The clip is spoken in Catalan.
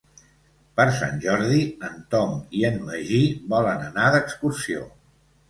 Per Sant Jordi en Tom i en Magí volen anar d'excursió.